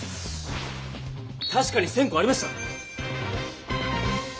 確かに１０００こありました。